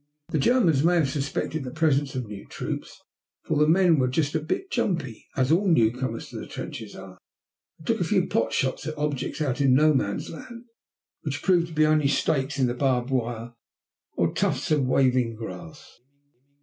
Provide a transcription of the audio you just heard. The Germans may have suspected the presence of new troops, for the men were just a bit jumpy, as all newcomers to the trenches are, and a few took pot shots at objects out in No Man's Land which proved to be only stakes in the barbed wire or tufts of waving grass.